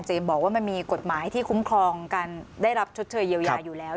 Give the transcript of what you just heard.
บอกว่ามันมีกฎหมายที่คุ้มครองการได้รับชดเชยเยียวยาอยู่แล้ว